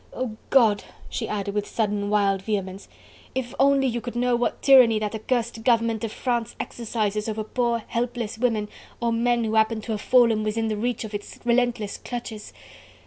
Oh God!" she added with sudden, wild vehemence, "if only you could know what tyranny that accursed government of France exercises over poor helpless women or men who happen to have fallen within reach of its relentless clutches..."